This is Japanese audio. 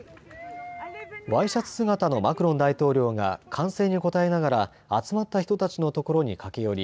ワイシャツ姿のマクロン大統領が歓声に応えながら集まった人たちのところに駆け寄り